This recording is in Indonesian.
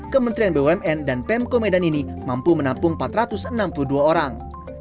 kementerian bumn dan pemko medan ini mampu menampung empat ratus enam puluh dua orang